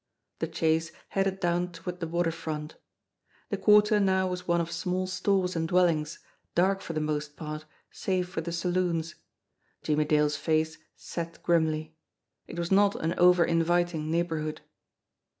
The chase headed down toward the water front. The quarter now was one of small stores and dwellings, dark for the most part, save for the saloons. Jimmie Dale's face set grimly. It was not an over inviting neighbourhood.